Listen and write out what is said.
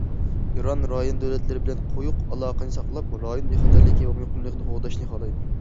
ئىران رايون دۆلەتلىرى بىلەن قويۇق ئالاقىنى ساقلاپ، رايون بىخەتەرلىكى ۋە مۇقىملىقىنى قوغداشنى خالايدۇ.